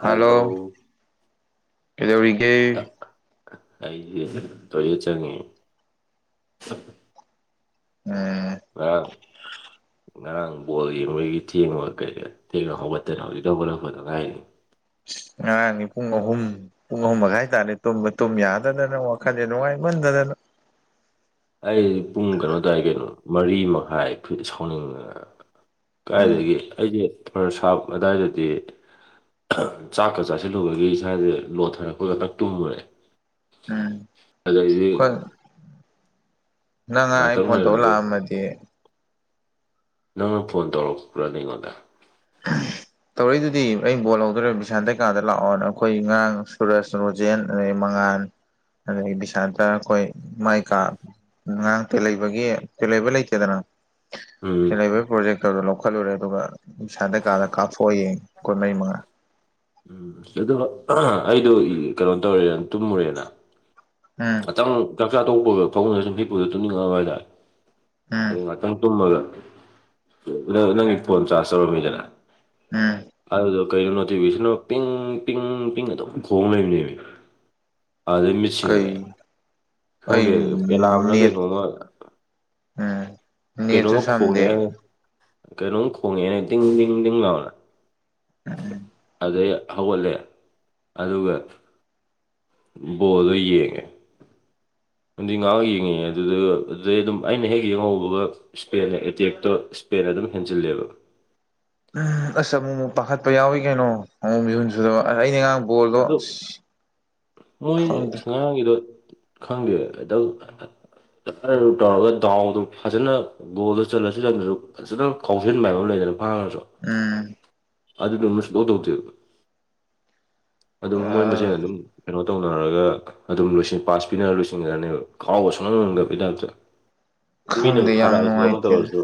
hello ꯀꯩꯗꯧꯔꯤꯒꯦ ꯑꯩ ꯑ ꯇ‌ꯣꯏꯂ‌ꯦꯠ ꯆꯪꯉꯤ ꯎꯝ ꯑꯥ ꯉꯔꯥꯡ ꯕꯣꯜꯒꯤ ꯃꯣꯏꯒꯤ ꯊꯦꯡꯉ ꯀꯩꯗ ꯊꯦꯡꯅ ꯍꯧꯒꯠꯇꯅ ꯍꯧꯖꯤꯛ ꯇꯈꯠꯅꯈꯗꯉꯥꯏꯔꯤꯅꯤ ꯉꯔꯥꯡꯅꯤ ꯄꯨꯡ ꯑꯍꯨꯝ ꯄꯨꯡ ꯑꯍꯨꯝ ꯃꯈ ꯍꯥꯏꯇꯥꯔꯦ ꯇꯨꯝ ꯌꯥꯗꯗꯅ ꯋꯥꯈꯜꯁꯦ ꯅꯨꯡꯉꯥꯏꯃꯟꯗꯗꯅ [inaudible] [unintelligible] ꯑꯩ ꯄꯨꯡ ꯀꯩꯅꯣ ꯑꯗꯨꯋꯥꯏ ꯀꯩꯅꯣ ꯃꯔꯤ ꯃꯈꯥꯏꯠ ꯁꯥꯎꯅꯤꯡꯉ ꯎꯝ ꯀꯥꯏꯗꯒꯤ ꯑꯩꯁꯦ ꯈꯔ ꯁꯥꯞ ꯑꯗꯨꯗꯥꯋꯥꯏꯗꯗꯤ ꯆꯥꯛꯀ ꯆꯥꯁꯤꯜꯂꯨꯕꯒꯤ ꯏꯁꯥꯁꯦ ꯂꯣꯟꯊꯔꯛꯄ ꯈꯛꯇꯪ ꯇꯨꯝꯉꯨꯔꯦ ꯎꯝ ꯑꯗꯗꯤ ꯅꯪ ꯉꯔꯥꯡ ꯑꯩ ꯐꯣꯟ ꯇꯧꯔ ꯂꯥꯛꯑꯝꯃꯗꯤ ꯅꯪꯅ ꯐꯣꯟ ꯇꯧꯔꯛꯄ꯭ꯔꯅꯦ ꯑꯩꯉꯣꯟꯗ ꯇꯧꯔꯛꯏꯗꯨꯗꯤ ꯑꯩ ꯕꯣꯜ ꯍꯧꯗꯣꯔꯦ ꯕꯤꯁꯥꯟꯇꯩ ꯀꯥꯗ ꯂꯥꯛꯑꯣꯅ ꯑꯈꯣꯏ ꯉꯔꯥꯡ ꯁꯨꯔꯁ ꯔꯣꯖꯦꯟ ꯑꯗꯩ ꯃꯉꯥ ꯑꯗꯒꯤ ꯕꯤꯁꯥꯟꯇ ꯑꯈꯣꯏ ꯃꯥꯏ ꯀꯥ ꯉꯥꯡꯔꯥꯡ ꯇꯦꯜꯍꯩꯕꯒꯤ ꯇꯦꯜꯍꯩꯕ ꯂꯩꯇꯦꯗꯅ ꯎꯝ ꯇꯦꯜꯍꯩꯕꯒꯤ ꯄ꯭ꯔꯣꯖꯦꯛꯇꯔꯗꯣ ꯂꯧꯈꯠꯂꯨꯔꯦ ꯑꯗꯨꯒ ꯕꯤꯁꯥꯟꯇ ꯀꯥꯗ ꯀꯥꯞꯊꯣꯛꯑ ꯌꯦꯡꯉꯦ ꯀꯣꯟꯅꯩ ꯃꯥ ꯎꯝ ꯑꯣ ꯑꯩꯗꯣ ꯀꯩꯅꯣ ꯇꯧꯔꯦꯅ ꯇꯨꯝꯃꯨꯔꯦꯅ ꯎꯝ ꯉꯥꯛꯇꯪ ꯆꯥꯛ ꯆꯥ ꯇꯣꯛꯄꯒ ꯐꯃꯨꯡꯗ ꯁꯨꯝ ꯍꯤꯞꯄꯗꯨ ꯇꯨꯝꯅꯤꯡꯉꯛꯑꯕ ꯍꯥꯏꯇꯥꯔꯦ ꯎꯝ ꯑꯗꯨ ꯉꯥꯛꯇꯪ ꯇꯨꯝꯃꯒ ꯅꯪꯒꯤ ꯐꯣꯟ ꯆꯥꯔꯖ ꯇꯧꯔꯝꯃꯤꯗꯅ ꯎꯝ ꯑꯗꯨꯗꯣ ꯀꯩꯅꯣ ꯅꯣꯇꯤꯐꯤꯀꯦꯁ ꯑꯃ ꯄꯤꯡ ꯄꯤꯡ ꯑꯗꯨꯝ ꯈꯣꯡ ꯂꯩꯕꯅꯦꯃꯤ ꯑꯗꯨꯗꯩ ꯃꯤꯠꯁꯤꯡꯉꯦ ꯀꯩ ꯑꯩ ꯈꯪꯗꯦ ꯑꯦꯂꯥꯝꯔ ꯅꯦꯠ ꯀꯩꯅꯣꯝꯃ ꯎꯝ ꯅꯦꯠꯁꯨ ꯀꯩꯅꯣꯝꯃ ꯁꯝꯗꯦ ꯈꯣꯡꯉꯛꯑꯦ ꯀꯩꯅꯣꯝ ꯈꯣꯡꯉꯛꯑꯣ ꯇꯤꯡ ꯇꯤꯡ ꯇꯤꯡ ꯂꯥꯎꯅ ꯎꯝ ꯑꯗꯩ ꯍꯧꯒꯠꯂꯦ ꯑꯗꯨꯒ ꯕꯣꯜꯗꯣ ꯌꯦꯡꯉꯦ ꯅꯨꯡꯗꯤꯟ ꯉꯥꯏꯍꯥꯛ ꯌꯦꯡꯉꯤꯉꯩꯗꯨꯗ ꯑꯗꯨꯗꯨꯒ ꯑꯗꯨꯗꯩ ꯑꯗꯨꯝ ꯑꯩꯅ ꯍꯦꯛ ꯌꯦꯡꯍꯧꯕꯒ ꯏꯁꯄꯦꯟꯅ ꯑꯦꯇꯦꯛꯇ ꯏꯁꯄꯦꯟ ꯑꯗꯨꯝ ꯍꯦꯟꯖꯤꯜꯂꯦꯕ ꯎꯝ ꯑꯁ ꯑꯃꯨꯛ ꯑꯃꯨꯛ ꯄꯥꯈꯠꯄ ꯌꯥꯎꯏꯤ ꯀꯩꯅꯣ ꯑꯃꯨꯛ ꯃꯤꯍꯨꯟ ꯁꯨꯗꯕ ꯑꯩꯗꯤ ꯉꯔꯥꯡ ꯕꯣꯜꯗꯣ ꯑꯗꯨ ꯑꯁ ꯃꯣꯏ ꯈꯪꯗꯦ ꯉꯥꯡꯉꯤꯗꯣ ꯈꯪꯗꯦ [unintelligible] ꯑꯗꯨꯗꯨ ꯇꯧꯔꯒ ꯗꯥꯎꯗꯨ ꯐꯖꯅ ꯒꯣꯜꯗ ꯆꯜꯂꯁꯨ ꯆꯟꯗꯁꯨ ꯐꯖꯅ ꯀꯥꯎꯁꯤꯟꯕ ꯍꯥꯏꯕ ꯑꯃ ꯂꯩꯗꯅ ꯎꯝ [unintelligible] ꯑꯗꯨꯗꯨꯃ ꯁꯨꯡꯇꯧ ꯇꯧꯗꯦꯕ ꯑꯗꯨꯝ ꯃꯣꯏ ꯃꯁꯦꯟ ꯑꯗꯨꯝ ꯀꯩꯅꯣ ꯇꯧꯅꯔꯒ ꯑꯗꯨꯝ ꯂꯣꯏ ꯄꯥꯁ ꯄꯤꯅꯔ ꯂꯣꯏꯁꯤꯟꯈ꯭ꯔꯅꯦꯕ ꯈꯥꯎꯕ ꯁꯨꯡꯉꯝ ꯉꯝꯗꯕ ꯍꯦꯛꯇ ꯃꯤꯅ ꯈꯪꯗꯦ ꯌꯥꯝ ꯐꯥꯔꯛꯑꯁꯨ ꯑꯃ ꯅꯨꯡꯉꯥꯏꯇꯦ ꯇꯧꯔꯁꯨ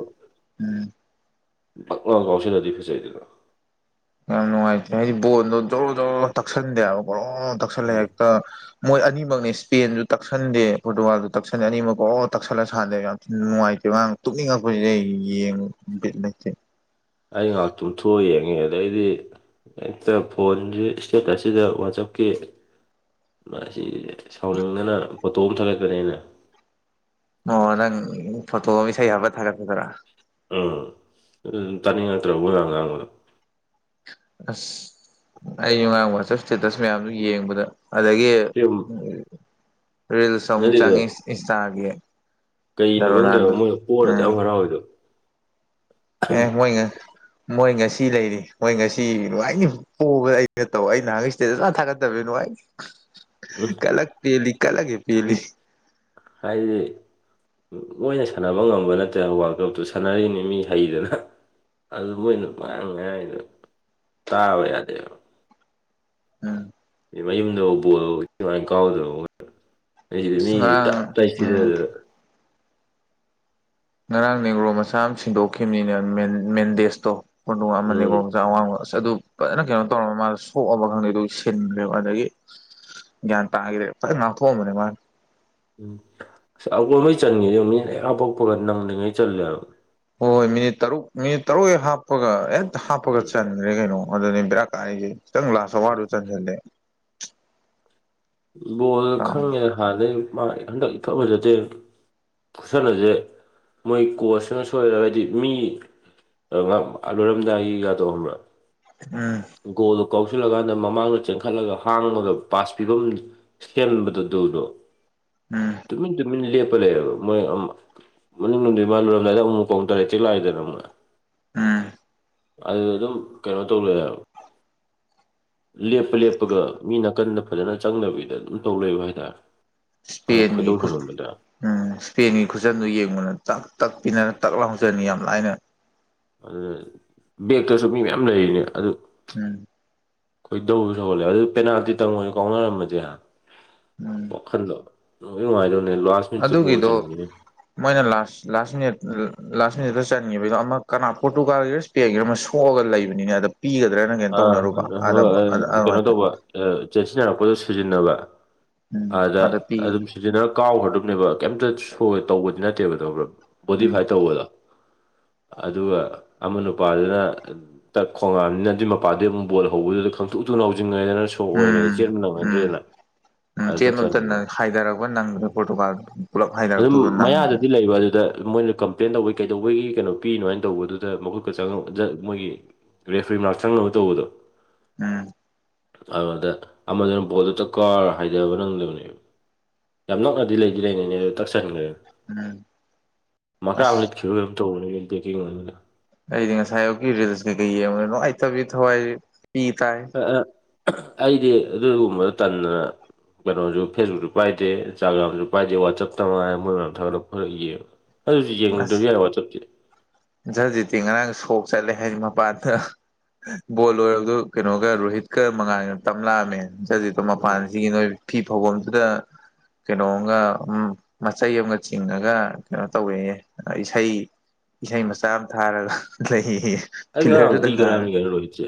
ꯎꯝ [unintelligible] ꯀꯥꯎꯁꯤꯜꯂꯗꯤ ꯐꯖꯩꯗꯅ ꯌꯥꯝ ꯅꯨꯡꯉꯥꯏꯇꯦ ꯍꯥꯏꯗꯤ ꯕꯣꯟꯗꯣ ꯖꯔꯣ ꯖꯔꯣ ꯇꯛꯁꯟꯗꯦ ꯍꯥꯏꯕ [unintelligible] ꯒ꯭ꯔꯣ ꯇꯛꯁꯤꯜꯂꯦ ꯍꯦꯛꯇ ꯃꯣꯏ ꯑꯅꯤꯃꯨꯛ ꯑꯗꯨꯃꯛꯅꯤ ꯁ꯭ꯄꯦꯟꯁꯨ ꯇꯛꯁꯟꯗꯦ ꯄꯣꯔꯇꯨꯒꯜꯁꯨ ꯇꯛꯁꯟꯗꯦ ꯑꯅꯤꯃꯛ ꯒ꯭ꯔꯣ ꯒ꯭ꯔꯣ ꯇꯛꯁꯜꯂ ꯁꯥꯟꯅꯗꯦ ꯌꯥꯝ ꯊꯤꯅ ꯅꯨꯡꯉꯥꯏꯇꯦ ꯉꯔꯥꯡ ꯇꯛꯅꯤꯡꯉꯛ [unintelligible] ꯌꯦꯡ ꯕꯤꯠ ꯂꯩꯇꯦ ꯑꯩ ꯉꯍꯥꯛ ꯇꯨꯝꯊꯣꯛꯒ ꯌꯦꯡꯉꯦ ꯑꯗꯩꯗꯤ ꯍꯦꯛꯇ ꯐꯣꯟꯁꯤ ꯏꯁꯇꯦꯇꯁꯁꯤꯗ ꯋꯥꯆꯞ ꯀꯤ ꯃꯥꯁꯤ ꯁꯥꯎꯅꯤꯡꯗꯅ ꯐꯣꯇꯣ ꯑꯃ ꯊꯥꯒꯠꯄꯅꯦ ꯑꯩꯅ ꯑꯣ ꯅꯪ ꯐꯣꯇꯣ ꯏꯁꯩ ꯍꯥꯞꯄ ꯊꯥꯒꯠ ꯄꯗꯨꯔꯥ ꯎꯝ ꯑꯗꯨ ꯑꯗꯨꯝ ꯇꯥꯅꯤꯡꯉꯛꯇ꯭ꯔꯕ ꯃꯣꯏ ꯃꯌꯥꯝ ꯉꯥꯡꯕꯗꯣ ꯑꯁ ꯑꯩ ꯉꯔꯥꯡ ꯋꯥꯆꯞ ꯏꯁꯇꯦꯇꯁ ꯃꯌꯥꯝꯗꯨ ꯌꯦꯡꯕꯗ ꯑꯗꯒꯤ ꯁꯤ ꯔꯤꯜꯁ ꯑꯃꯨꯛ ꯅꯠꯇꯦꯗ ꯆꯪꯉꯤ ꯏꯟꯁꯇꯥꯒꯤ ꯀꯩꯅꯣ ꯈꯪꯗꯦꯕ ꯔꯣꯅꯥꯜꯗꯣ ꯃꯣꯏꯗꯣ ꯄꯣꯔ ꯑꯗꯨꯌꯥꯝ ꯍꯔꯥꯎꯋꯤꯗꯣ ꯑꯣ ꯃꯣꯏꯉ ꯃꯣꯏ ꯉꯁꯤ ꯂꯩꯔꯤ ꯃꯣꯏ ꯉꯁꯤ ꯅꯨꯡꯉꯥꯏꯅꯤ ꯄꯣꯕ ꯑꯩꯅ ꯇꯧ ꯑꯩ ꯅꯍꯥꯟꯒꯩ ꯏꯁꯇꯦꯇꯁ ꯁꯨꯡꯊꯦ ꯊꯥꯒꯠꯇꯕꯅꯤ ꯎꯝ ꯀꯂꯛ ꯄꯦꯜꯂꯤ ꯀꯂꯛ ꯍꯦꯛ ꯄꯦꯜꯂꯤ ꯍꯥꯏꯗꯤ ꯃꯣꯏꯅ ꯁꯥꯟꯅꯕ ꯉꯝꯕ ꯅꯠꯇꯦ ꯋꯥꯔꯜ ꯀꯞꯇꯨ ꯁꯥꯟꯅꯔꯤꯅꯤ ꯃꯤ ꯍꯩꯗꯅ ꯑꯗꯨ ꯃꯣꯏꯅ ꯑꯃꯥꯏꯅ ꯉꯥꯡꯉꯤꯗꯨ ꯇꯥꯕ ꯌꯥꯗꯦ ꯍꯥꯏꯕ ꯎꯝ ꯃꯌꯨꯝꯗꯕꯧ ꯕꯣꯜ ꯏꯟꯊꯤ ꯅꯨꯡꯉꯥꯏ ꯀꯥꯎꯗꯕ ꯃꯣꯏꯅ ꯑꯩꯩꯁꯤꯗ ꯑꯁ ꯃꯤ ꯉꯔꯥꯡ ꯇꯞꯇꯥꯏ ꯎꯝ ꯁꯤꯗꯗꯅ ꯉꯔꯥꯡ ꯅꯉ꯭ꯔꯣ ꯃꯆꯥ ꯑꯃ ꯁꯤꯟꯗꯣꯛꯈꯤꯕꯅꯤꯅꯦ ꯃꯦꯟꯗꯦꯁꯇꯣ ꯍꯣꯗꯣꯡ ꯎꯝ ꯑꯃꯀꯣꯡꯖꯆꯥ ꯑꯋꯥꯡꯕꯁ ꯑꯗꯨ ꯐꯖꯅ ꯀꯩꯅꯣ ꯇꯧꯔꯃ ꯃꯥ ꯊꯣꯛꯑꯕ ꯈꯪꯗꯦ ꯑꯗꯨ ꯁꯤꯟꯈ꯭ꯔꯦꯕ ꯑꯗꯒꯤ ꯒ꯭ꯌꯥꯟ ꯇꯥꯈꯤꯗ꯭ꯔꯦ ꯐꯖꯅ ꯉꯥꯛꯊꯣꯛꯑꯝꯕꯅꯦ ꯃꯥꯅ ꯎꯝ ꯑꯩꯈꯣꯏꯍꯩ ꯆꯟꯈꯤꯗ ꯃꯤꯅ ꯍꯥꯐꯛꯄꯔ ꯅꯪꯂꯤꯉꯩ ꯆꯜꯂꯦ ꯍꯥꯏꯕ ꯍꯣꯏ ꯍꯣꯏ ꯃꯤꯅꯤꯠ ꯇꯔꯨꯛ ꯃꯤꯅꯤꯠ ꯇꯔꯨꯛ ꯍ ꯍꯥꯞꯄꯒ ꯍꯦꯛꯇ ꯍꯥꯞꯄꯒ ꯎꯝ ꯆꯟꯈ꯭ꯔꯦ ꯀꯩꯅꯣ ꯑꯗꯨꯅꯤ ꯕꯔꯥꯛ ꯀꯥꯔꯤꯁꯦ ꯈꯤꯇꯪ ꯂꯥꯛꯁꯨ ꯋꯥꯗꯨ ꯆꯟꯁꯤꯜꯂꯦ ꯕꯣꯜꯗ ꯎꯝ ꯈꯪꯉꯦ ꯍꯥꯟꯅꯩ ꯃꯥ ꯍꯟꯗꯛ ꯏꯐ ꯑꯣꯏꯖꯗꯦ ꯈꯨꯠꯁꯅꯁꯦ ꯃꯣꯏ ꯀꯣꯆꯅ ꯁꯣꯏꯔ ꯍꯥꯏꯗꯤ ꯃꯤ ꯑ ꯉ ꯂꯣꯏꯔꯝꯗꯥꯏꯒꯤꯒ ꯇꯧꯍꯕ꯭ꯔꯥ ꯒꯣꯜꯗꯨ ꯀꯥꯎꯁꯤꯜꯂꯀꯥꯟꯗ ꯃꯃꯥꯡꯗ ꯆꯦꯟꯈꯠꯂꯒ ꯍꯥꯡꯃꯒ ꯄꯥꯁ ꯄꯤꯐꯝ ꯕꯗꯧꯗꯣ ꯎꯝ ꯇꯨꯃꯤꯟ ꯇꯨꯃꯤꯟ ꯂꯦꯞ ꯂꯩꯑꯦꯕ ꯃꯣꯏ ꯃꯅꯤꯡ ꯅꯨꯡ ꯃꯥ ꯂꯣꯏꯨꯔꯝꯗꯥꯏꯗ ꯑꯃꯨꯛ ꯄꯥꯎꯨꯡ ꯇꯔꯦꯠ ꯆꯤ ꯂꯥꯛꯑꯏꯗꯅ ꯑꯃꯨꯛꯥꯏ ꯎꯝ ꯑꯗꯨꯗ ꯑꯗꯨꯝ ꯀꯩꯅꯣ ꯇꯧꯔꯦꯕ ꯂꯦꯞꯄ ꯂꯦꯞꯄꯒ ꯃꯤ ꯅꯥꯀꯟꯗ ꯐꯖꯅ ꯆꯪꯗꯕꯤꯗ ꯑꯗꯨꯝ ꯇꯧ ꯂꯩꯕ ꯍꯥꯏꯇꯥꯔꯦ ꯑ ꯏꯁꯄꯦꯟꯒꯤ ꯈꯣꯏꯗꯧ ꯈꯨ ꯊꯣꯅꯕꯗꯦ ꯎꯝ ꯏꯁꯄꯦꯟꯒꯤ ꯈꯨꯆꯟꯗꯨꯣ ꯌꯦꯡꯕꯅ ꯇꯥꯛ ꯇꯛ ꯄꯤꯅꯅ ꯇꯥꯛ ꯂꯥꯎꯖꯅꯤ ꯌꯥꯝ ꯂꯥꯏꯅ ꯑꯗꯨꯅ ꯕꯦꯛꯇꯁꯨ ꯃꯤ ꯃꯌꯥꯝ ꯂꯩꯔꯤꯅꯦ ꯑꯗꯨ ꯎꯝ ꯑꯩꯈꯣꯏꯗꯧ ꯁꯧꯍꯜꯂꯦ ꯑꯗꯨ ꯄꯦꯅꯥꯜꯇꯤ ꯇꯪꯉꯁꯨ ꯀꯥꯎꯅꯔꯝꯃꯁꯦ ꯎꯝ ꯄꯈꯟꯗꯣꯥꯏ ꯑꯗꯨꯒꯤꯗꯣ ꯃꯣꯏꯅ ꯂꯥꯁ ꯂꯥꯁ ꯃꯤꯅꯤꯠ ꯂꯥꯁ ꯁꯤꯗ ꯆꯟꯈꯤꯕꯒꯤꯗꯣ ꯑꯃ ꯀꯅꯥ ꯄꯣꯔꯇꯨꯒꯥꯜꯒꯤꯔ ꯏꯁꯄꯦꯟꯒꯤꯔꯥ ꯑꯃ ꯁꯣꯛꯑꯒ ꯂꯩꯕꯅꯤꯅ ꯑꯗ ꯄꯤꯒꯗ꯭ꯔꯅ ꯀꯩꯅꯣ ꯑ ꯍ ꯇꯧꯅꯔꯨꯕ ꯑꯗ ꯑꯗ ꯀꯩꯅꯣ ꯑꯗꯨꯃꯥꯏꯅ ꯇꯧꯕ ꯎꯝ ꯑꯗ ꯄꯤ ꯕ ꯀ ꯅꯦꯕ ꯀꯩꯝꯇ ꯇꯧꯕꯗꯤ ꯅꯠꯇꯦꯕ꯭ꯔ ꯎꯝ ꯕꯣꯗꯤꯐꯥꯏꯠ ꯇꯧꯕꯗ ꯑꯗꯨꯒ ꯑꯃ ꯅꯨꯄꯥꯗꯨꯅ ꯈꯣꯡꯉꯥꯝꯅꯤꯅ ꯑꯗꯨꯃꯛ ꯃꯄꯥꯗꯤ ꯑꯃꯨꯛ ꯕꯜ ꯍꯧꯕꯗꯨꯗ ꯈꯪꯇ ꯎꯇꯨꯡ ꯂꯥꯎꯖꯤꯡꯉꯗꯅ ꯁꯣꯛ ꯎꯝ ꯑꯣꯏꯔꯤꯉꯩꯗ ꯆꯦꯟꯕ ꯎꯝ ꯅꯪꯅꯗ꯭ꯔꯦꯅ ꯎꯝ ꯑꯗꯨ ꯆꯦꯟꯕ ꯃꯇꯝꯗ ꯆꯠꯁꯟꯕꯤꯕ ꯍꯥꯏꯊꯔꯛꯄ ꯅꯪꯗ꯭ꯔꯦ ꯎꯝ ꯄꯣꯔꯇꯨꯒꯥꯜ ꯄꯨꯂꯞ ꯑꯗꯨꯝ ꯍꯥꯏꯊꯔꯛꯇꯕꯗꯣ ꯅꯪꯗ꯭ꯔꯦ ꯃꯌꯥꯗꯗꯤ ꯂꯩꯕ ꯑꯗꯨꯗ ꯃꯣꯏꯅ ꯀꯝꯄ꯭ꯂꯦꯟ ꯇꯧꯕꯩ ꯀꯩꯗꯧꯕꯒꯤ ꯀꯩꯅꯣ ꯄꯤꯔꯤꯅꯣ ꯍꯥꯏꯅ ꯇꯧꯕꯗꯨꯗ ꯃꯈꯨꯠꯀ ꯆꯪꯉ ꯃꯣꯏꯒꯤ ꯔꯦꯐ꯭ꯔꯤ ꯃꯔ ꯆꯪꯅꯕ ꯇꯧꯕꯗꯣ ꯎꯝ ꯑꯗꯨꯗ ꯑꯃꯗꯨꯅ ꯄꯣꯠꯇꯗ ꯀꯥꯔ ꯍꯥꯏꯊꯕ ꯅꯪꯗꯕꯅꯦꯕ ꯌꯥꯝ ꯅꯣꯛꯅꯗꯤ ꯂꯩꯗꯤ ꯂꯩꯅꯤꯅꯦ ꯑꯗꯨ ꯇꯛꯁꯟꯈ꯭ꯔꯦ ꯎꯝ ꯃꯀ ꯑꯁ ꯑ ꯈꯦ ꯊꯅ ꯑꯩꯗꯤ ꯉꯁꯥꯏꯌꯨꯀꯤ ꯔꯤꯜꯁ ꯀꯩꯀꯩ ꯌꯦꯡꯉꯒ ꯅꯨꯡꯉꯥꯏꯇꯕꯗꯤ ꯊꯋꯥꯏ ꯄꯤ ꯇꯥꯏ ꯑꯩꯗꯤ ꯑꯗꯨꯒꯨꯝꯕꯗ ꯇꯟꯗꯅ ꯀꯩꯅꯣꯁꯨ ꯐꯦꯁꯕꯨꯛꯁꯨ ꯄꯥꯏꯗꯦ ꯏꯟꯁꯇꯥꯒ꯭ꯔꯥꯝꯁꯨ ꯄꯥꯏꯗꯦ ꯋꯥꯆꯞꯇ ꯃꯉꯥꯏ ꯃꯣꯏ ꯃꯌꯥꯝ ꯊꯥꯒꯠ ꯐꯂ ꯌꯦꯡꯕ ꯑꯗꯨꯗꯤ ꯌꯦꯡꯗꯣꯏ ꯌꯥꯏ ꯋꯥꯆꯞꯇꯨꯗꯤ ꯖꯖꯤꯇꯤ ꯉꯔꯥꯡ ꯁꯣꯛ ꯆꯠꯂꯦ ꯍꯥꯏꯗꯤ ꯃꯄꯥꯗ ꯕꯣꯜ ꯑꯣꯏꯔꯔꯕꯗꯨ ꯀꯩꯅꯣꯒ ꯔꯣꯍꯤꯠꯀ ꯃꯉꯥꯟ ꯇꯝꯂꯛꯑꯝꯃꯦ ꯖꯤꯗ ꯎꯝ ꯃꯄꯥꯟꯁꯤꯒꯤ ꯅꯣꯏ ꯐꯤ ꯐꯧꯐꯝꯁꯤꯗ ꯀꯩꯅꯣꯝꯒ ꯎ ꯃꯆꯩ ꯑꯃꯒ ꯆꯤꯡꯉꯒ ꯀꯩꯅꯣ ꯇꯧꯋꯦꯌꯦ ꯏꯁꯩ ꯏꯁꯩ ꯃꯆꯥ ꯑꯃ ꯊꯥꯔꯒ ꯂꯩ ꯑꯩ ꯉꯔꯥꯡ ꯏꯤ ꯀꯅꯥꯅꯤ ꯀꯩꯅ ꯂꯣ ꯏꯁꯦ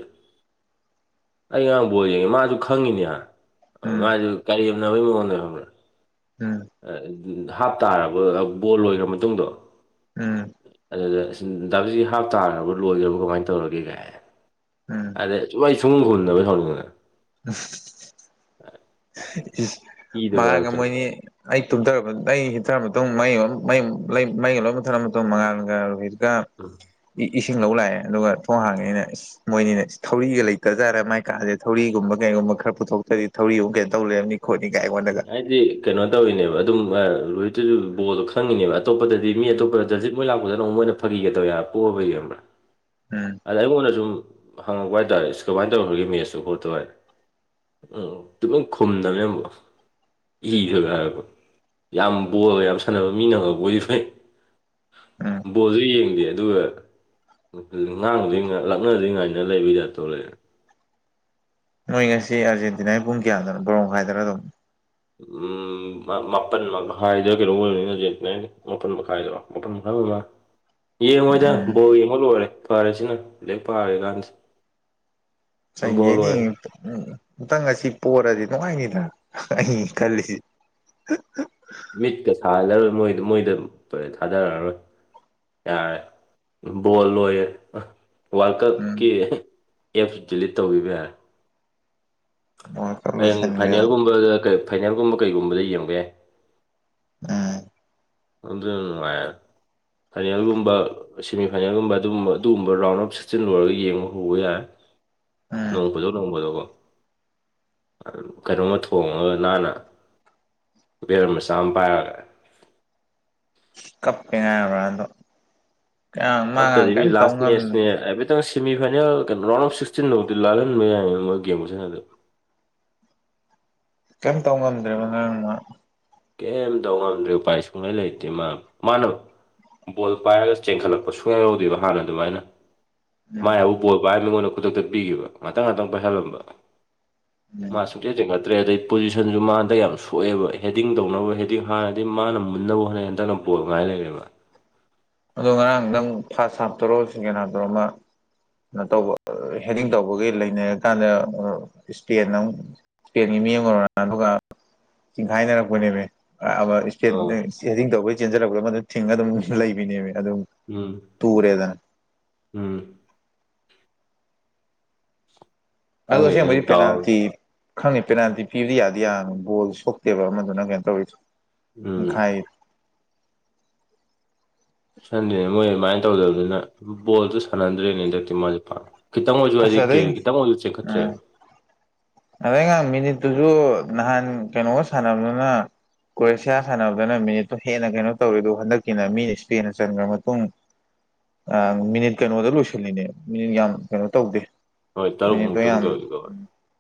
ꯑꯩ ꯉꯔꯥꯡꯕꯣ ꯌꯦꯡꯉꯦ ꯃꯥꯁꯨ ꯈꯪꯉꯤꯅꯦꯍ ꯎꯝ ꯃꯥꯁꯨ ꯀꯔꯤ ꯌꯥꯝꯅꯕꯒꯤ ꯃꯉꯣꯟꯗ ꯈꯪꯕ꯭ꯔꯥ ꯎꯝ ꯍꯥꯞꯇꯥꯥꯔꯕ ꯕꯣꯜ ꯂꯣꯏꯈ꯭ꯔ ꯃꯇꯨꯡꯗꯣ ꯎꯝ ꯑꯗꯨꯗ ꯞꯁꯤ ꯍꯥꯞ ꯇꯥꯈ꯭ꯔꯕ ꯂꯣꯏꯈ꯭ꯔꯕ ꯀꯃꯥꯏꯅ ꯇꯧꯔꯒꯦ ꯀꯥꯏ ꯎꯝ ꯑꯗꯩ ꯁꯨꯡ ꯁꯨꯡ ꯍꯨꯟꯅꯅꯕꯕ ꯍꯧꯧꯅꯤꯡꯉꯅ ꯎ ꯏꯗꯣ ꯃꯥꯡ ꯀꯥꯔꯛꯇꯅ ꯃꯣꯏꯅꯤ ꯑꯩ ꯇꯨꯝꯊꯔꯕ ꯑꯩ ꯍꯤꯊꯔꯕ ꯃꯇꯨꯡ ꯃꯩ ꯂꯩ ꯃꯩ ꯂꯣꯏ ꯊꯔ ꯃꯇꯨꯡ ꯃꯉꯥꯜꯒ ꯔꯨꯍꯤꯔꯀ ꯎꯝ ꯏꯁꯤꯡ ꯂꯧ ꯂꯥꯛꯑꯦ ꯑꯗꯨꯒ ꯊꯣꯡ ꯍꯥꯡꯉꯦ ꯑꯅ ꯃꯣꯏꯅꯤꯅ ꯊꯧꯔꯤꯒ ꯂꯩꯇꯖꯥꯔꯦ ꯃꯥꯏ ꯀꯥꯥꯁꯦ ꯊꯧꯔꯤꯒꯨꯝꯕ ꯀꯩꯒꯨꯝꯕ ꯈꯔ ꯄꯨꯊꯣꯛꯇꯗꯤ ꯊꯧꯔꯤꯒꯨꯝ ꯀꯩꯅ ꯇꯧ ꯂꯩꯔꯝꯅꯤ ꯈꯣꯠꯂꯤ ꯍꯥꯏꯗꯤ ꯀꯩꯅꯣ ꯇꯧꯋꯅꯦꯕ ꯑꯗꯨꯝ ꯂꯨꯍꯤꯠꯇꯨꯁꯨ ꯕꯣꯜꯗꯣ ꯈꯪꯉꯤꯅꯦꯕ ꯑꯇꯣꯞꯄꯗꯗꯤ ꯃꯤ ꯑꯇꯣꯞꯄꯗ ꯖꯖꯤꯠ ꯃꯣꯏ ꯂꯥꯛꯄꯗ ꯅꯨꯛ ꯃꯣꯏꯅ ꯐꯥꯈꯤꯒꯗꯧꯔ ꯄꯣꯛꯑꯕ ꯌꯦꯡꯕ꯭ꯔꯥ ꯎꯝ ꯑꯗ ꯑꯩꯉꯣꯟꯗ ꯁꯨꯝ ꯍꯪꯉꯛꯄ ꯍꯥꯏꯇꯥꯔꯦ ꯀꯃꯥꯏꯅ ꯇꯧꯈꯒꯦ ꯃꯦꯠꯁꯁꯨ ꯍꯣꯠꯇꯦ ꯎꯝ ꯑꯗꯨꯂꯪ ꯈꯨꯝꯗꯕꯅꯦ ꯑꯃꯨꯀꯣ ꯏꯈꯒ ꯍꯥꯏꯔꯔꯕ ꯌꯥꯝ ꯕꯣꯂꯒ ꯌꯥꯝ ꯁꯥꯟꯅꯕ ꯃꯤꯅꯉꯕ ꯑꯣꯏꯗꯤ ꯐꯩ ꯎꯝ ꯕꯣꯜꯖꯨ ꯌꯦꯡꯗꯦ ꯑꯗꯨꯒ ꯉꯥꯡꯗ꯭ꯔꯤ ꯂꯛꯅꯗ꯭ꯔꯤꯉꯥꯏꯅ ꯂꯩꯕꯗ ꯇꯣ ꯂꯩꯛꯦ [inaudible] [unintelligible] ꯅꯣꯏ ꯉꯁꯤ ꯑꯥꯔꯖꯦꯟꯇꯤꯅꯥꯒꯤ ꯄꯨꯡ ꯀꯌꯥꯗꯅꯣ ꯕꯣꯔꯣꯡ ꯍꯥꯏꯗꯅ ꯑꯗꯨꯝ ꯎ ꯃꯥꯄꯜ ꯃꯈꯥꯏꯗ ꯀꯩꯅꯣ ꯑꯣꯏꯕꯅꯤꯅ ꯍꯧꯖꯤꯅꯦ ꯃꯥꯄꯜ ꯃꯈꯥꯏꯗꯣ ꯃꯥꯄꯜ ꯃꯈꯥꯏ ꯃꯥ [inaudible] [unintelligible] ꯌꯦꯡꯉꯣꯏꯗ ꯎꯝ ꯕꯣ ꯌꯦꯡꯕ ꯂꯣꯏꯔꯦ ꯐꯔꯦꯁꯤꯅꯦꯛ ꯐꯥꯔꯦ ꯀꯥꯟꯁꯤ ꯆꯪꯉꯦꯅꯦ ꯎꯇꯪ ꯉꯁꯤ ꯄꯔꯗꯤ ꯅꯨꯡꯉꯥꯏꯅꯤꯗ ꯑꯩ ꯈꯜꯂꯤꯁꯤ ꯃꯤꯠꯀ ꯁꯥꯍꯜꯂꯔꯣꯏ ꯃꯣꯏꯗ ꯃꯣꯏꯗ ꯑꯗꯨꯝ ꯇꯣꯏꯂꯦꯠ ꯊꯥꯗꯔꯛꯑꯔꯣꯏ ꯌꯥꯔꯦ ꯕꯣꯜ ꯂꯣꯏꯒ꯭ꯔꯦ ꯋꯥꯔꯜ ꯎꯝ ꯀꯞꯀꯤ ꯑꯦꯞꯁ ꯗꯤꯂꯤꯠ ꯇꯧꯕꯤꯕ ꯌꯥꯔꯦ ꯋꯥꯔꯜ ꯀꯞ ꯍꯌꯦꯡ ꯂꯣꯏꯁꯤꯟꯈ꯭ꯔꯦꯕ ꯐꯥꯏꯅꯦꯜꯒꯨꯝꯕꯗ ꯐꯥꯏꯅꯦꯜꯒꯨꯝꯕ ꯀꯩꯒꯨꯝꯕꯗ ꯌꯦꯡꯒ ꯌꯥꯦ ꯎꯝ ꯑꯗꯨꯅ ꯅꯨꯡꯉꯥꯌꯦꯕ ꯐꯥꯏꯅꯦꯜꯒꯨꯝꯕ ꯁꯦꯃꯤꯐꯥꯏꯅꯦꯜꯒꯨꯝꯕ ꯑꯗꯨꯒꯨꯝꯕ ꯑꯗꯨꯒꯨꯝꯕ ꯔꯥꯎꯟ ꯑꯞ ꯁꯤꯛꯇꯤꯟ ꯂꯣꯏꯔꯒ ꯌꯦꯡꯕ ꯍꯧꯕ ꯌꯥꯏ ꯎꯝ ꯅꯣꯡ ꯐꯖꯣ ꯅꯣꯡ ꯐꯗꯣ ꯀꯣ ꯀꯩꯅꯣꯝꯃ ꯊꯣꯡꯉꯒ ꯅꯥꯅ ꯔꯃꯦꯁ ꯑꯃ ꯄꯥꯏꯔꯒꯦ ꯀꯞ ꯉꯔꯗꯣ ꯀꯞ ꯇꯔꯤ ꯂꯥꯁ ꯃꯦꯁꯅꯦ ꯁꯦꯃꯤꯐꯥꯏꯅꯦꯜ ꯀꯩꯅꯣ ꯔꯥꯎꯟ ꯑꯣꯐ ꯁꯤꯛꯁꯇꯤꯟꯐꯥꯎꯗꯤ ꯂꯥꯜꯍꯟꯕ ꯌꯥꯏ ꯃꯣꯏ ꯒꯦꯝꯒꯁꯅꯗꯣ ꯀꯩꯝꯇꯧ ꯉꯝꯗ꯭ꯔꯦꯕ ꯅꯔꯥꯡꯅ ꯀꯩꯝꯇꯧ ꯉꯝꯗ꯭ꯔꯦ ꯎꯄꯥꯏ ꯁꯨꯡꯂꯩ ꯂꯩꯇꯦ ꯃꯥ ꯃꯥꯅꯣ ꯕꯣꯜ ꯄꯥꯏꯔꯒ ꯆꯦꯟꯈꯠꯂꯛꯄ ꯁꯨꯡꯌꯥ ꯌꯥꯎꯗꯦꯕ ꯍꯥꯟꯅ ꯑꯗꯨꯃꯥꯏꯅ ꯎꯝ ꯃꯥꯏ ꯍꯥꯏꯕꯨ ꯄꯣꯄ ꯍꯥꯏꯅ ꯃꯤꯉꯣꯟꯗ ꯈꯨꯗꯛꯇ ꯄꯤꯈꯤꯕ ꯉꯇꯪ ꯉꯇꯪ ꯄꯥꯏꯁꯜꯂꯝꯕ ꯎꯝ ꯃꯥ ꯁꯨꯡꯆꯦ ꯊꯉꯠꯇ꯭ꯔꯦ ꯑꯗꯩ ꯄꯣꯖꯤꯁꯟꯁꯨ ꯃꯥꯗ ꯌꯥꯝ ꯁꯣꯛꯑꯦꯕ ꯍ ꯍꯦꯗꯤꯡ ꯇꯧꯅꯕ ꯍꯦꯗꯤꯡ ꯍꯥꯟꯅꯗꯤ ꯃꯥꯅ ꯃꯨꯟꯅꯕ ꯍꯣꯠꯅꯩ ꯍꯟꯗꯛꯅ ꯄꯣꯠꯉꯥꯏ ꯂꯩꯔꯦꯕ ꯑꯗꯣ ꯉꯔꯥꯡ ꯅꯪ ꯐꯥꯔꯁ ꯍꯥꯞꯇꯧꯔꯣ ꯁꯦꯀꯦꯟ ꯍꯥꯞꯇꯧꯔꯣ ꯑꯃ ꯇꯧꯕ ꯍꯦꯗꯤꯡ ꯇꯧꯕꯒꯤ ꯂꯩꯅꯔꯀꯥꯟꯗ ꯏꯁꯄꯦꯟ ꯑꯃ ꯏꯁꯄꯦꯟꯒꯤ ꯃꯤ ꯑꯣꯏ ꯑꯗꯨꯒ ꯆꯤꯡꯈꯥꯏꯅꯔꯛꯄꯅꯦꯅꯦ ꯑꯥ ꯏꯁꯗꯤꯡ ꯇꯧꯕꯒꯤ ꯆꯦꯟꯖꯜꯂꯛꯄ꯭ꯔꯥ ꯃꯗꯨ ꯊꯤꯡꯉꯒ ꯑꯗꯨꯝ ꯂꯩꯕꯅꯦꯕ ꯑꯗꯨ ꯑꯗꯨ ꯎꯝ ꯇꯨꯔꯦꯗꯅ ꯎꯝ ꯑꯗꯁ ꯃ ꯈꯪꯗꯦꯅꯦ ꯗꯥꯎ ꯄꯦꯅꯥꯜꯇꯤ ꯈꯪꯉꯤ ꯄꯦꯅꯥꯜꯇꯤ ꯄꯤꯕꯗꯤ ꯌꯥꯗꯤ ꯌꯥ ꯒꯣꯜ ꯁꯣꯛꯇꯦꯕ ꯑꯃꯗꯨꯅ ꯀꯩꯅꯣ ꯇꯧꯔꯤ ꯑꯝ ꯁꯥꯟꯗ꯭ꯔꯤꯅꯦ ꯃꯣꯏ ꯑꯗꯨꯃꯥꯏꯅ ꯇꯧꯗꯕꯅꯤꯅ ꯕꯣꯜꯗꯨ ꯁꯥꯟꯅꯟꯗ꯭ꯔꯦꯅꯦ ꯍꯟꯗꯛꯇꯤ ꯃꯥꯁꯦ ꯄꯥꯝ ꯈꯤꯇꯪ ꯑꯣꯏꯁꯨ ꯍꯥꯏꯗꯤ ꯑꯁ ꯀꯦ ꯑꯗꯩ ꯈꯤꯇꯪ ꯑꯣꯏꯁꯨ ꯎꯝ ꯆꯤꯡꯈꯠꯇ꯭ꯔꯦꯕ ꯑꯗꯨꯁꯨ ꯅꯍꯥꯟ ꯀꯩꯅꯣꯒ ꯁꯥꯟꯅꯕꯅꯤꯅ ꯀ꯭ꯔꯣꯑꯁꯤꯌꯥ ꯁꯥꯟꯅꯕꯗꯅ ꯃꯤꯅꯤꯠꯇꯨ ꯍꯦꯟꯅ ꯀꯩꯅꯣ ꯇꯧꯋꯤ ꯑꯗꯨ ꯍꯟꯗꯛꯀꯤꯅ ꯃꯤꯅ ꯏꯁꯄꯦꯗ ꯆꯟꯈ꯭ꯔ ꯃꯇꯨꯡ ꯑ ꯃꯤꯅꯤꯠ ꯀꯩꯅꯣꯗ ꯂꯣꯏꯁꯤꯜꯂꯤꯅꯦ ꯃꯤꯅꯤꯠ ꯌꯥꯝ ꯀꯩꯅꯣ ꯇꯧꯗꯦ ꯍꯣꯏ ꯃꯤꯅꯤꯠ ꯂꯣ ꯌꯥꯝ ꯇꯔꯨꯛꯃꯨꯛꯇꯪꯗ ꯑꯣꯏꯔꯁꯨ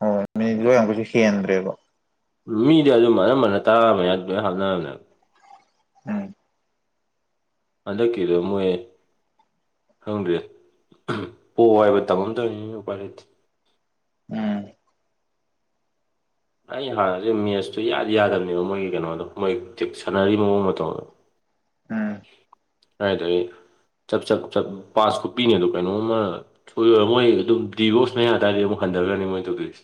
ꯍꯣꯏ ꯃꯤꯅꯤꯠ ꯂꯣ ꯌꯥꯝꯈꯩꯁꯨ ꯍꯦꯟꯗ꯭ꯔꯦꯕꯣ ꯃꯤꯗꯤ ꯑꯗꯨꯝ ꯑꯅꯝꯕꯅ ꯇꯔꯥ ꯑꯃ ꯌꯥ ꯂꯣꯏꯅ ꯍꯥꯞꯅꯔꯝꯅꯦ ꯎꯝ ꯑꯗ ꯀꯗꯝꯌꯦꯟ ꯍꯪꯗ꯭ꯔꯦ ꯄꯣ ꯍꯥꯏꯏꯕ ꯇꯝꯝ ꯇꯧꯅꯤꯄꯥꯥꯏ ꯂꯩꯇꯦ ꯎꯝ ꯑꯩ ꯍꯥꯟꯅꯁꯦ ꯃꯦꯠꯁꯇꯨ ꯌꯥꯗꯤ ꯌꯥꯗꯕꯅꯦꯕ ꯃꯣꯏꯒꯤ ꯀꯩꯅꯣꯗꯣ ꯃꯣꯏ ꯆꯤ ꯁꯥꯟꯅꯔꯤ ꯃꯑꯣꯡ ꯃꯇꯧꯗꯣ ꯎꯝ ꯍꯥꯏꯗ ꯆꯞ ꯆꯞ ꯆ ꯄꯥꯁ ꯈꯨꯄꯤꯅꯦ ꯑꯗꯣ ꯀꯩꯅꯣꯝꯃ ꯁꯣꯏꯔ ꯃꯣꯏ ꯑꯗꯨꯝ ꯗꯤꯚꯣꯔꯁꯅꯦ ꯍꯥꯏ ꯇꯥꯔꯗꯤ ꯑꯃꯛ ꯍꯟꯗꯔꯒꯅꯤ ꯃꯣꯏ ꯇꯧꯂꯁꯦ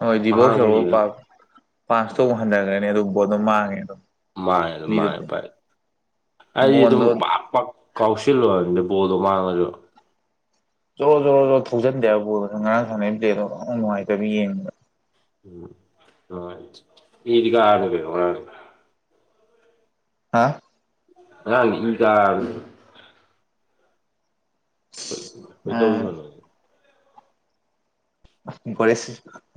ꯍꯣꯏ ꯗꯤꯕꯣꯛꯁ ꯌꯧꯔꯒ ꯄꯁꯇ ꯑꯃꯨꯛ ꯍꯟꯊꯔꯛꯅꯤ ꯑꯗꯨ ꯕꯣꯠ ꯑꯗꯨꯝ ꯃꯥꯡꯉꯦ ꯑꯗꯨꯝ ꯃꯥ ꯑꯗꯨ ꯃꯥ ꯃꯤꯗꯨ ꯐꯥꯏ ꯑꯩꯗꯤ ꯑꯗꯨꯝ ꯕꯣꯟꯗꯣ ꯄꯥꯛ ꯄꯥꯛ ꯀꯥꯎꯁꯤꯜꯂ ꯑꯣꯏꯗ ꯄꯗ ꯃꯥꯅꯅꯔꯣ ꯖꯣ ꯖꯣ ꯖꯣ ꯊꯣꯛꯖꯟꯗꯦꯕꯣ ꯅ ꯉꯔꯥꯡ ꯁꯥꯟꯅꯩꯔꯤꯕꯦꯗꯣ ꯅꯨꯡꯉꯥꯏꯇꯕ ꯌꯦꯡꯉꯗ ꯎꯝ ꯑ ꯏꯗꯤ ꯀꯥꯅ ꯀ ꯍꯥ ꯑ ꯏꯗ ꯑꯩꯣꯏꯗꯣꯕꯤ ꯎꯝ ꯍꯅ ꯕꯔꯤꯦꯁ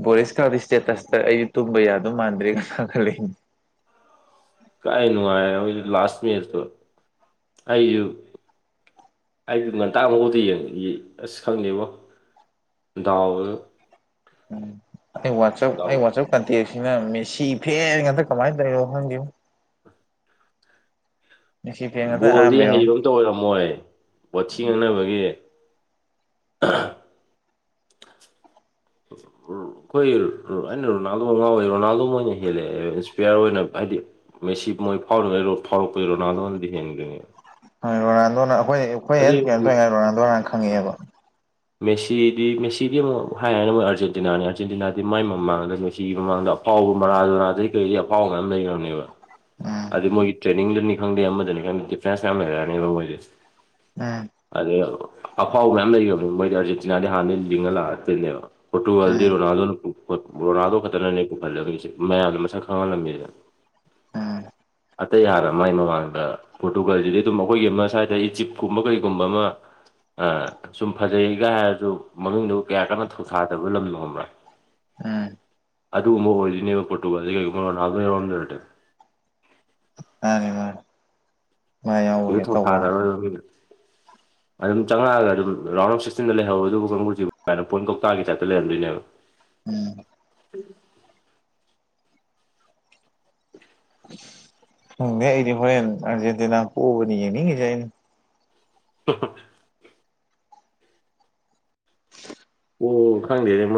ꯕꯣꯔꯤꯦꯁꯀꯗꯤ ꯏꯁꯇꯦꯇꯁꯇ ꯑꯩꯁꯨ ꯇꯨꯝꯕ ꯌꯥꯗ ꯃꯥꯟꯗ꯭ꯔꯦ ꯀꯅ ꯈꯜꯂꯤ ꯍ ꯀꯥꯏꯅꯅꯨꯡꯉꯥꯏ ꯂꯥꯁ ꯃꯔꯁꯨ ꯑꯨ ꯑꯩꯗꯤ ꯉꯟꯇꯥꯡ ꯑꯃꯒꯧꯗꯤ ꯌꯦꯡ ꯑꯁ ꯈꯪꯗꯕꯣ ꯗꯎ ꯎ ꯋꯥꯆ ꯑꯩ ꯋꯥꯆꯞ ꯀꯥꯟꯇꯤ ꯁꯤꯅ ꯃꯦꯁꯤ ꯐꯦ ꯉꯇ ꯀꯃꯥꯏꯅ ꯇꯧꯔꯤꯔꯣ ꯈꯪꯗꯦꯨ ꯐꯦꯟ ꯉꯥꯛꯇ ꯕꯣꯜꯗꯤ ꯑꯌꯥꯝꯕ ꯌꯥꯎꯋꯤ ꯍꯩꯕ ꯑꯃꯝꯇ ꯑꯣꯏꯔꯝꯃꯣꯏ ꯕꯣꯠꯊ ꯉꯛꯅꯕꯒꯤ [inaudible] ꯑꯩꯈꯣꯏ ꯑꯩꯅ ꯔꯣꯅꯥꯜꯗꯣ ꯉꯥꯎꯋꯦ ꯔꯣꯅꯥꯜꯗꯣ ꯑꯣꯏꯅ ꯍꯦꯜꯂꯛꯑꯦ ꯏꯟꯁꯄꯤꯌꯥꯔ ꯑꯣꯏꯅ ꯍꯥꯏꯗꯤ ꯃꯦꯁꯤ ꯃꯣꯏ ꯐꯥꯎꯔꯤꯉꯩ ꯐꯥꯎꯔꯛꯄꯒꯤ ꯔꯣꯅꯥꯜꯗꯣꯅꯗꯤ ꯍꯦꯟꯗ꯭ꯣꯏꯅꯦꯕ ꯍꯣꯏ ꯔꯣꯅꯥꯜꯗꯣꯅ ꯑꯩꯈꯣꯏ ꯑꯩꯈꯣꯏ ꯍ ꯀꯩꯅꯣꯝ ꯇꯧꯔꯤꯉ ꯔꯣꯅꯥꯜꯗꯣꯅ ꯈꯪꯉꯛꯑꯦꯕ ꯃꯦꯁꯤꯗꯤ ꯃꯦꯁꯤꯗꯤ ꯑꯃꯨꯛ ꯍꯥꯏꯔꯅ ꯑꯃꯣꯏ ꯑꯥꯔꯖꯦꯟꯇꯤꯅꯥꯅꯤ ꯑꯥꯔꯖꯦꯟꯇꯤꯅꯥꯗꯤ ꯃꯥꯏ ꯃꯃꯥꯡꯗ ꯃꯦꯁꯤꯒꯤ ꯃꯃꯗ ꯑꯐꯥꯎꯕ ꯃꯔꯥꯖꯣꯔꯥꯗꯩ ꯀꯩꯗꯤ ꯑꯐꯥꯎꯕꯒ ꯂꯩꯈ꯭ꯔꯕꯅꯦꯕ ꯎꯝ ꯑꯗꯨ ꯃꯣꯏꯒꯤ ꯇ꯭ꯔꯦꯅꯤꯡꯗꯅꯤ ꯈꯪꯗꯦ ꯑꯃꯗꯅꯤ ꯈꯪꯗꯦ ꯗꯤꯐ꯭ꯔꯦꯟꯁ ꯌꯥꯝꯌꯥꯝ ꯂꯩꯔꯛꯑꯅꯦꯕ ꯃꯣꯏꯁꯦ ꯎꯝ ꯑꯗ ꯑꯐꯥꯎ ꯃꯌꯥꯝ ꯂꯩꯕꯅꯤ ꯃꯣꯏꯗꯤ ꯑꯥꯔꯖꯦꯟꯇꯤꯅꯥꯗꯤ ꯍꯥꯟꯅ ꯂꯤꯡꯉ ꯂꯥꯛꯑꯛꯇꯣꯏꯅꯦꯕ ꯐꯣ ꯇꯨ ꯎꯝ ꯋꯥꯜꯗꯤꯔꯣ ꯅꯜꯣꯟꯅ ꯇ ꯑꯩꯈꯣꯏ ꯕꯣꯔꯥꯗꯣ ꯈꯛꯇꯅꯅꯦ ꯄꯨꯈꯠꯂꯒꯒꯤꯁꯦ ꯃꯌꯥꯝꯗ ꯃꯁꯛ ꯈꯪꯍꯜꯂꯝꯃꯤꯗꯅ ꯑꯝ ꯑꯇꯩ ꯍꯥꯟꯅ ꯃꯥꯏ ꯃꯃꯥꯡꯗ ꯄꯣꯔꯇꯨꯒꯥꯜꯁꯤꯗꯤ ꯑꯗꯨꯝ ꯑꯩꯈꯣꯏꯒꯤ ꯑꯃ ꯁ꯭ꯋꯥꯏꯗ ꯏꯖꯤꯞꯀꯨꯝꯕ ꯀꯩꯒꯨꯝꯕ ꯑꯃ ꯑ ꯁꯨꯝ ꯐꯖꯩꯒꯥꯏ ꯍꯥꯏꯔꯁꯨ ꯃꯗꯨ ꯀꯌꯥ ꯀꯟꯅ ꯊꯧꯁꯥꯗꯕ ꯂꯝꯗꯣꯕ꯭ꯔꯥ ꯎꯝ ꯑꯗꯨꯒꯨꯝꯕ ꯑꯣꯏꯗꯣꯏꯅꯦꯕ ꯄꯣꯇꯨꯒꯜꯁꯦ ꯀꯩꯒꯨꯝꯕ ꯔꯣꯅꯥ ꯑꯗꯨ ꯌꯧꯔꯝꯗꯔꯦ ꯃꯅꯦ ꯃꯥꯅꯦ ꯏ ꯊꯣꯡ ꯐꯥꯗꯔꯣꯏ [inaudible] ꯑꯗꯨꯝ ꯆꯪꯉꯛꯑꯒ ꯑꯗꯨꯝ ꯔꯥꯎꯟ ꯑꯣꯐ ꯁꯤꯛꯁꯇꯤꯟꯗ ꯂꯩꯍꯧꯋꯦ ꯑꯗꯨꯒ ꯀꯥꯡꯕꯨꯖꯤꯅ ꯄꯣꯏꯟ ꯀꯧꯇꯥꯒꯤ ꯇꯥꯏꯞꯇ ꯂꯩꯔꯝꯗꯣꯏꯅꯦꯕ ꯎꯝ ꯈꯪꯗꯦ ꯑꯩꯗꯤ ꯍꯣꯔꯦꯟ ꯑꯔꯖꯦꯟꯇꯤꯅꯥ ꯄꯣꯕꯥꯅꯤ ꯌꯦꯡꯅꯤꯡꯢꯁꯤ [inaudible] ꯑꯣ ꯈꯪꯗꯦ